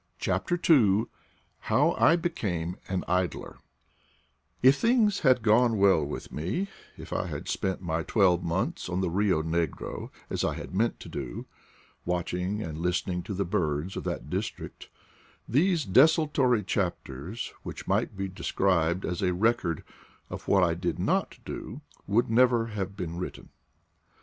CHAPTER II HOW I BE0AME AN IDLES IF things had gone *well with me, if I had spent my twelve months on the Bio Negro, as I had meant to do, watching and listening to the birds of that district, these desultory chapters, which might be described as a record of what I did not do, would never have T>een written.